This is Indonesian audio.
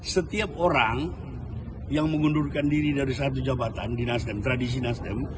setiap orang yang mengundurkan diri dari satu jabatan di nasdem tradisi nasdem